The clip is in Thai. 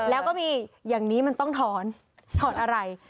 แล้วก็มีอย่างนี้มันต้องถอนถอนอะไร